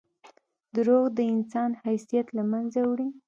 • دروغ د انسان حیثیت له منځه وړي.